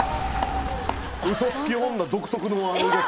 嘘つき女独特のあの動き。